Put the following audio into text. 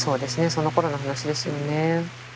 そのころの話ですよね。